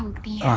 mana pak buktinya